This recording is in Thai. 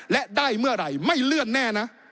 และได้เมื่อไหร่ไม่เลื่อนแน่นะ